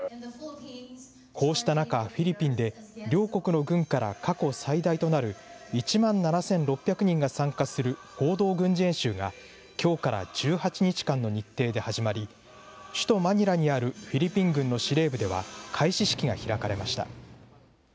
こうした中、フィリピンで、両国の軍から、過去最大となる１万７６００人が参加する合同軍事演習が、きょうから１８日間の日程で始まり、首都マニラにあるフィリピン軍の司令部では、開始式が開かれました。